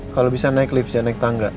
kalau bisa naik lift jangan naik tangga